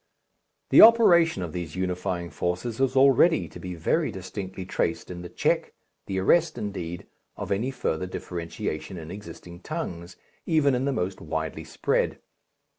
The operation of these unifying forces is already to be very distinctly traced in the check, the arrest indeed, of any further differentiation in existing tongues, even in the most widely spread.